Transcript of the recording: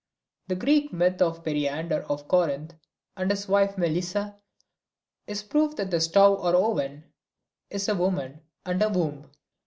The Greek myth of Periander of Corinth and his wife Melissa is proof that the stove or oven is a woman, and a womb.